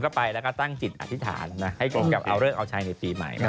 ก็ไปแล้วก็ตั้งจิตอธิษฐานนะให้กับเอาเลิกเอาชัยในปีใหม่